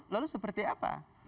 lalu seperti apa